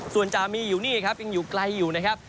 ส่วนจะมีอยู่นี่ครับยังอยู่ไกลอยู่นะครับ